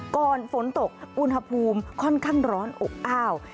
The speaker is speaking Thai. ก่อนฝนตกอุณหภูมิค่อนข้างร้อนอบอ้าว